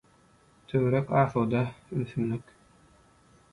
Töwerek asuda, ümsümlik.